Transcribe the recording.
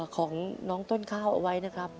ของน้องต้นข้าวเอาไว้นะครับ